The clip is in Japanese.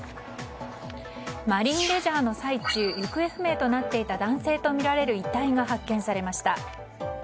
マリンレジャーの最中行方不明となっていた男性とみられる遺体が発見されました。